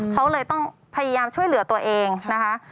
เขาเลยต้องพยายามช่วยเหลือตัวเองนะคะ